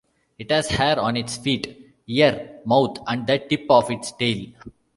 It has hair on its feet, ear, mouth and the tip of its tail.